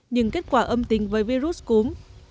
nhưng kết quả âm tình với virus cúm